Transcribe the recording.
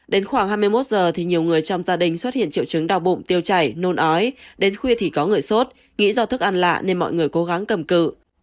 đến khoảng hai mươi một giờ thì nhiều người trong gia đình xuất hiện triệu chứng đau bụng tiêu chảy nôn ói đến khuya thì có người sốt nghĩ do thức ăn lạ nên mọi người cố gắng cầm cự